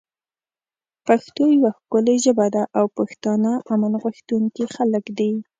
پښتو یوه ښکلی ژبه ده او پښتانه امن غوښتونکی خلک دی